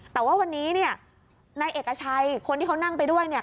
แต่ว่าวันนี้นายเอกชัยคนที่เขานั่งไปด้วยเนี่ย